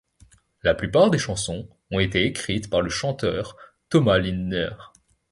La plupart des chansons ont été écrites par le chanteur Thomas Lindner.